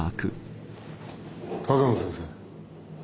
鷹野先生。